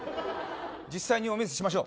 実際にお見せしましょう。